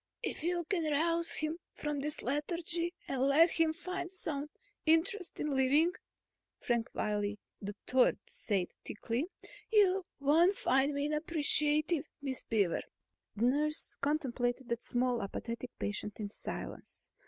"If you can rouse him from this lethargy and help him find some interest in living," Frank Wiley III said thickly, "you won't find me unappreciative, Miss Beaver." The nurse contemplated that small, apathetic patient in silence.